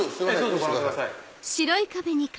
ご覧ください。